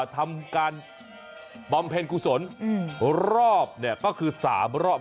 ทำการบอมเภนกุศลอืมรอบเนี้ยก็คือสามรอบ